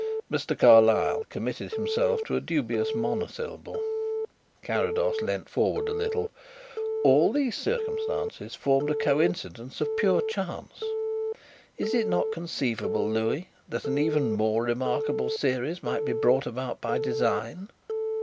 Mr. Carlyle committed himself to a dubious monosyllable. Carrados leaned forward a little. "All these circumstances formed a coincidence of pure chance. Is it not conceivable, Louis, that an even more remarkable series might be brought about by design?"